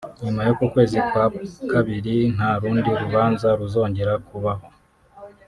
“Nyuma y’uku kwezi kwa Kabiri nta rundi rubanza ruzongera kubaho